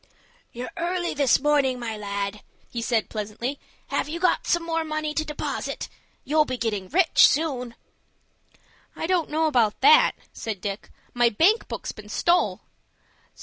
"You're early, this morning, my lad," he said, pleasantly. "Have you got some more money to deposit? You'll be getting rich, soon." "I don't know about that," said Dick. "My bank book's been stole."